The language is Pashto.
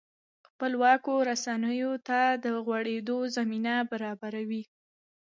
خپلواکو رسنیو ته د غوړېدو زمینه برابروي.